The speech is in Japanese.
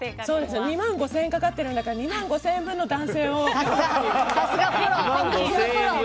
２万５０００円かかってるから２万５０００円分の男性をって。